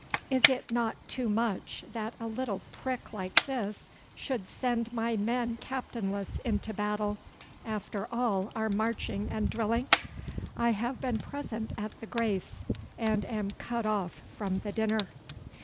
'Is it not too much that a little prick like this should send my men captainless into battle, after all our marching and drilling? I have been present at the grace, and am cut off from the dinner.